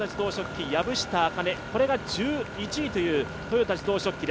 籔下明音、これが１１位という豊田自動織機。